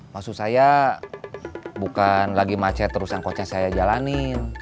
maksud saya bukan lagi macet terus angkotnya saya jalanin